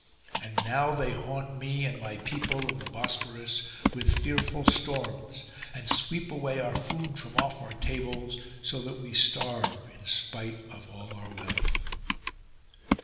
And now they haunt me, and my people, and the Bosphorus, with fearful storms; and sweep away our food from off our tables, so that we starve in spite of all our wealth.